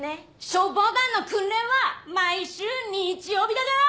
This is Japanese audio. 消防団の訓練は毎週日曜日だから！